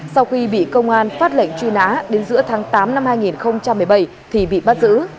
sau khi bị công an phát lệnh truy nã đến giữa tháng tám năm hai nghìn một mươi bảy thì bị bắt giữ